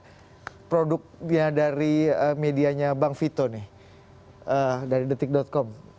apa produknya dari medianya bang vito nih dari detik com